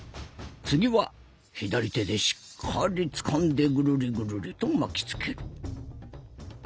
次は左手でしっかりつかんでぐるりぐるりと巻きつける。